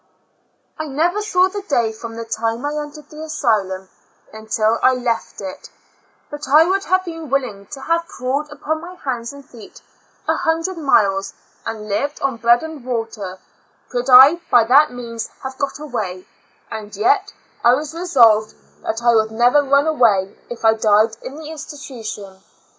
I never saw the day, from the time I en tered the asylum until I left it, but I would have been willing to have crawled upon my hands and feet a hundred miles, and lived on bread and water, could I by that means have got away; and yet I was resolv ed that I would never run away if I died in the institution.